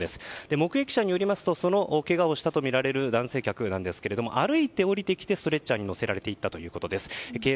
目撃者によりますとそのけがをしたとみられる男性客ですが歩いて下りてきてストレッチャーに乗せられていったということです。